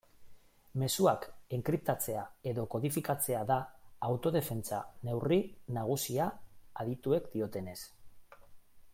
Mezuak enkriptatzea edo kodifikatzea da autodefentsa neurri nagusia adituek diotenez.